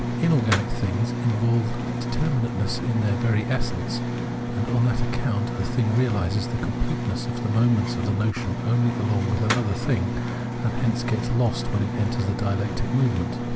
Inorganic things involve determinateness in their very essence; and on that account a thing reahses the completeness of the moments of the notion only along with another thing, and hence gets lost when it enters the dialectic movement.